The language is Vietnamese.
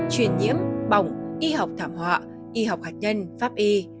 truyền nhiễm bỏng y học thảm họa y học hạt nhân pháp y